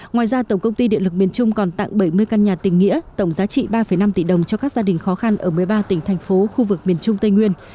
ngoài ra tổng công ty điện lực miền trung còn tặng bảy mươi căn nhà tình nghĩa tổng giá trị ba năm tỷ đồng cho các gia đình khó khăn ở một mươi ba tỉnh thành phố khu vực miền trung tây nguyên